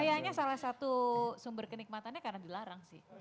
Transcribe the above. kayaknya salah satu sumber kenikmatannya karena dilarang sih